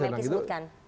bang melky sebutkan